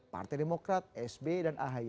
partai demokrat sb dan ahy